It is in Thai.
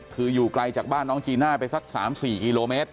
คืออยู่ไกลจากบ้านน้องจีน่าไปสัก๓๔กิโลเมตร